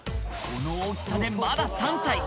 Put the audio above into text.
この大きさで、まだ３歳。